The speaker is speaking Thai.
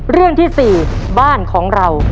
เรื่องที่๔บ้านของเรา